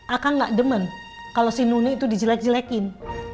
akan gak demen kalau si noni itu dijelek jelekin